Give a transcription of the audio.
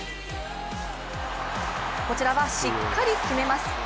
こちらは、しっかり決めます。